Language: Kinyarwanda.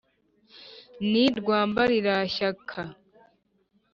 ni rwambarirashyaka